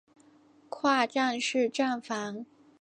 跨站式站房。